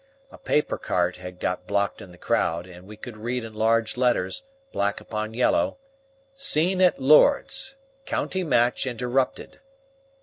A paper cart had got blocked in the crowd, and we could read in large letters, black upon yellow, "Scene at Lord's. County Match Interrupted."